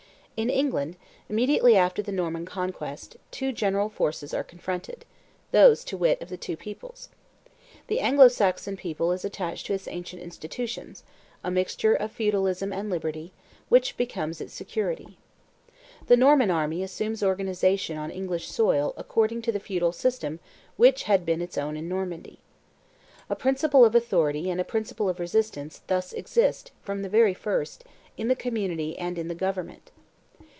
In England, immediately after the Norman conquest, two general forces are confronted, those, to wit, of the two peoples. The Anglo Saxon people is attached to its ancient institutions, a mixture of feudalism and liberty, which become its security. The Norman army assumes organization on English soil according to the feudal system which had been its own in Normandy. A principle of authority and a principle of resistance thus exist, from the very first, in the community and in the government.